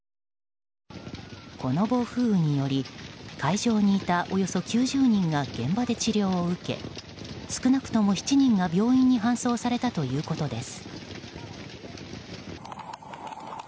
この暴風雨により会場にいたおよそ９０人が現場で治療を受け少なくとも７人が病院に搬送されたということです。